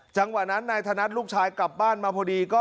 จังหวะนั้นนายธนัดลูกชายกลับบ้านมาพอดี